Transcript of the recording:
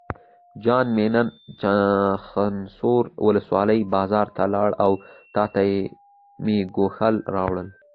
جان مې نن چخانسور ولسوالۍ بازار ته لاړم او تاته مې ګوښال راوړل.